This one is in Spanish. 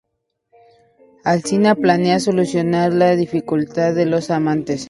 Alcina planea solucionar las dificultades de los amantes.